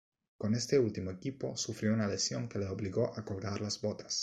Con este último equipo sufrió una lesión que le obligó a colgar las botas.